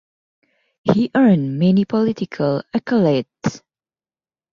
He earned many political accolades.